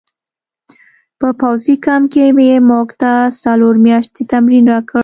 په پوځي کمپ کې یې موږ ته څلور میاشتې تمرین راکړ